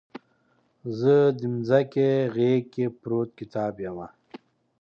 زه دمځکې غیږ کې پروت کتاب یمه